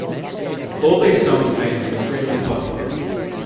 All these songs made him extremely popular.